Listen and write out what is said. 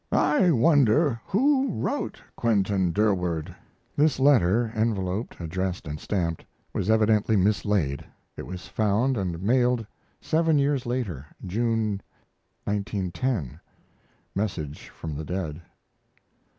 I wonder who wrote Quentin Durward? [This letter, enveloped, addressed, and stamped, was evidently mislaid. It was found and mailed seven years later, June, 1910 message from the dead.